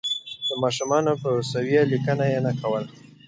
د ماشومانو په سویه لیکنه یې نه کوله.